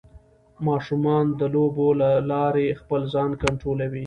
ماشومان د لوبو له لارې خپل ځان کنټرولوي.